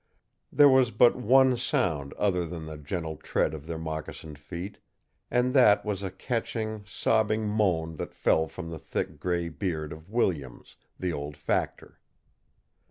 There was but one sound other than the gentle tread of their moccasined feet, and that was a catching, sobbing moan that fell from the thick gray beard of Williams, the old factor.